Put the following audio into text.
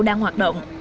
đang hoạt động